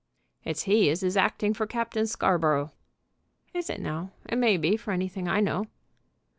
"It's he as is acting for Captain Scarborough." "Is it, now? It may be, for anything I know."